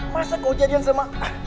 masa kau jadikan sama